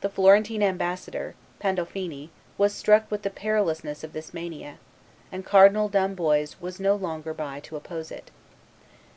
The Florentine ambassador, Pandolfini, was struck with the perilousness of this mania; and Cardinal d'Amboise was no longer by to oppose it.